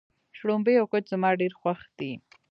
شړومبی او کوچ زما ډېر خوښ دي.